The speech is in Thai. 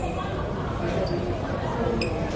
สวัสดีครับ